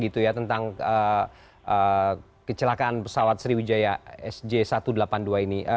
tentang kecelakaan pesawat sriwijaya sj satu ratus delapan puluh dua ini